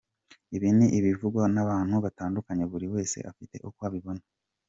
Ibi ni ibivugwa n’abantu batandukanye buri wese afite uko abibona.